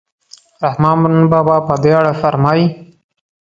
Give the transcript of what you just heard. رحمان بابا په دې اړه فرمایي.